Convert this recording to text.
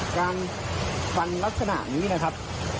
การฟันลักษณะนี้นะครับ